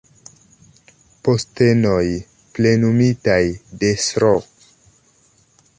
Postenoj plenumitaj de Sro.